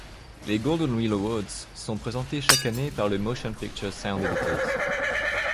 Les Golden Reel Awards sont présentés chaque année par le Motion Picture Sound Editors.